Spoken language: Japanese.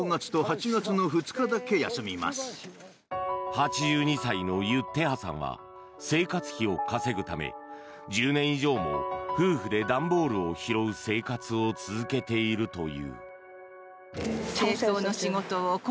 ８２歳のユ・テハさんは生活費を稼ぐため１０年以上も、夫婦で段ボールを拾う生活を続けているという。